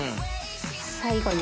最後に。